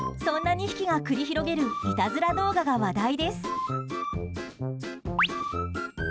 そんな２匹が繰り広げるいたずら動画が話題です。